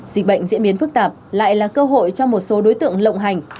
dịch bệnh diễn biến phức tạp lại là cơ hội cho một số đối tượng lộng hành